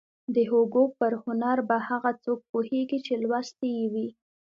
د هوګو پر هنر به هغه څوک پوهېږي چې لوستی يې وي.